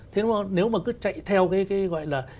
thế mà nếu mà cứ chạy theo cái gọi là